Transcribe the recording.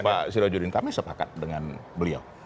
pak sirajudin khamis sepakat dengan beliau